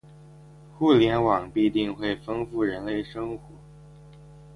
互联网必定会丰富人类生活